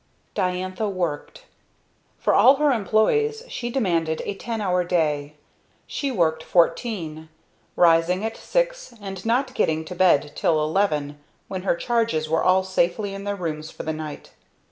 Diantha worked. For all her employees she demanded a ten hour day, she worked fourteen; rising at six and not getting to bed till eleven, when her charges were all safely in their rooms for the night.